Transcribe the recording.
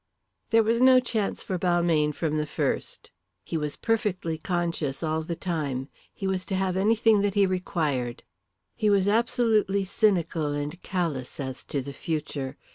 There was no chance for Balmayne from the first. He was perfectly conscious all the time; he was to have anything that he required. He was absolutely cynical and callous as to the future.